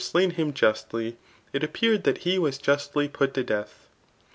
179 slain him justly, it appeared that he was justly put to death.